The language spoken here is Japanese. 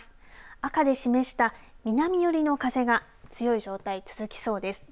赤で示した南寄りの風が強い状態、続きそうです。